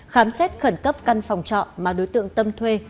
khám xét khẩn cấp căn phòng trọ mà đối tượng tâm thuê